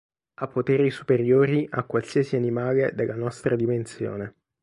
Ha poteri superiori a qualsiasi animale della nostra dimensione.